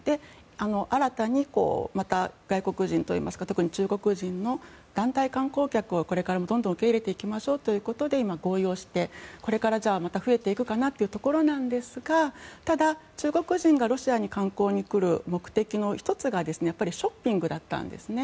新たにまた外国人といいますか特に中国人の団体観光客をこれからどんどん受け入れていきましょうということで今、合意をしてこれからまた増えていくかなというところなんですがただ、中国人がロシアに観光に来る目的の１つがショッピングだったんですね。